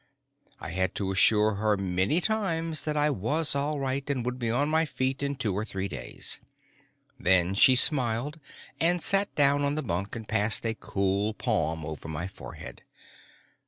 I had to assure her many times that I was all right and would be on my feet in two or three days. Then she smiled and sat down on the bunk and passed a cool palm over my forehead.